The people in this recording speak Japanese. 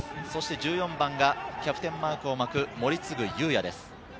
１４番がキャプテンマークを巻く森次結哉です。